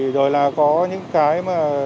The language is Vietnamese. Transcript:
rồi là có những cái